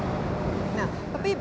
tanah tanah ini lebih rigid